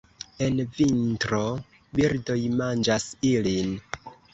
En vintro birdoj manĝas ilin.